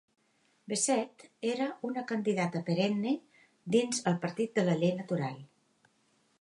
Bessette era una candidata perenne dins el partit de la llei natural.